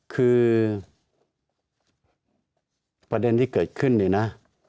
คือประเด็นที่เกิดขึ้นเนี่ยนะ